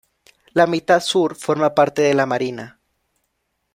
La mitad sur forma parte de La Marina.